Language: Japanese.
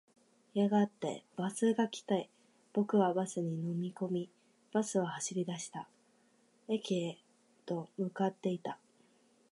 やがてバスが来て、僕はバスに乗り込み、バスは走り出した。駅へと向かっていった。